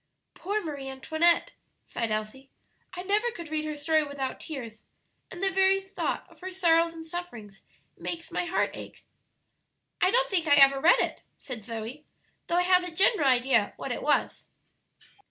"Poor Marie Antoinette!" sighed Elsie; "I never could read her story without tears, and the very thought of her sorrows and sufferings makes my heart ache." "I don't think I ever read it," said Zoe, "though I have a general idea what it was."